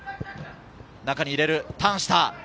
中に入れる、ターンした。